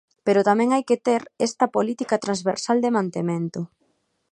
Pero tamén hai que ter esta política transversal de mantemento.